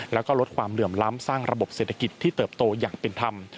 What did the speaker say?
แล้วก็ลดความเหลื่อมล้ำสร้างระบบเศรษฐกิจที่เติบโตอย่างเป็นธรรม